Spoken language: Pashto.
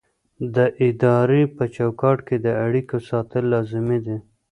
د ادارې په چوکاټ کې د اړیکو ساتل لازمي دي.